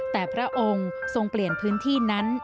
แต่พระองค์ทรงเปลี่ยนพื้นที่นั้น